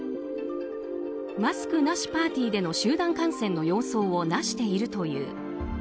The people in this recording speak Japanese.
マスクなしパーティーでの集団感染の様相をなしているという。